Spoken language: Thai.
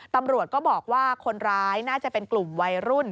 ตำรวจก็บอกว่าคนร้ายน่าจะเป็นกลุ่มวัยรุ่น